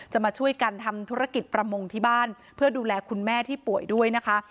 มาช่วยกันทำธุรกิจประมงที่บ้านเพื่อดูแลคุณแม่ที่ป่วยด้วยนะคะ